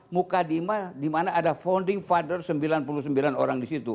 mukaddimah di mana ada founding father sembilan puluh sembilan orang disitu